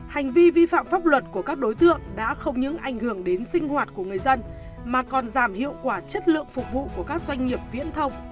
hành vi vi phạm pháp luật của các đối tượng đã không những ảnh hưởng đến sinh hoạt của người dân mà còn giảm hiệu quả chất lượng phục vụ của các doanh nghiệp viễn thông